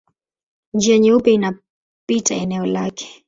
Njia Nyeupe inapita eneo lake.